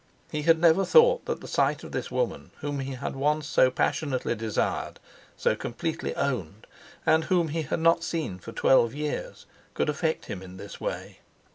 He had never thought that the sight of this woman whom he had once so passionately desired, so completely owned, and whom he had not seen for twelve years, could affect him in this way.